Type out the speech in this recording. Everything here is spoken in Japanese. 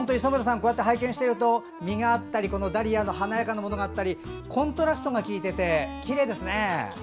こうやって拝見してると実があったりダリアの華やかなものがあったりコントラストがきいててきれいですね。